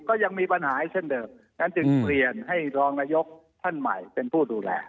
ก็ยังมีปัญหาให้เช่นเดิมนั้นจึงเปลี่ยนให้รองนายกท่านใหม่เป็นผู้ดูแล